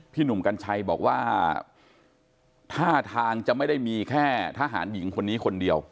หนุ่มกัญชัยบอกว่าท่าทางจะไม่ได้มีแค่ทหารหญิงคนนี้คนเดียว